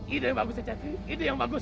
ini yang bagus ya cakri ini yang bagus